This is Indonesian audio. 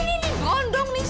ini ini berondong nih